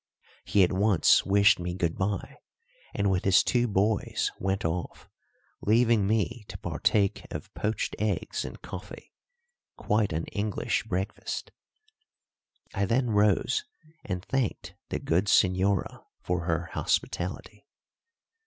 He at once wished me good bye, and with his two boys went off, leaving me to partake of poached eggs and coffee quite an English breakfast. I then rose and thanked the good señora for her hospitality.